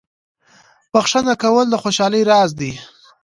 • بخښنه کول د خوشحالۍ راز دی.